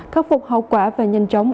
khắc phục hậu quả và nhanh chóng